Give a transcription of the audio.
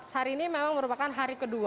hari ini memang merupakan hari kedua